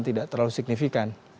tidak terlalu signifikan